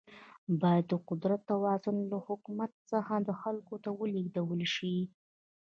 باید د قدرت توازن له حکومت څخه خلکو ته ولیږدول شي.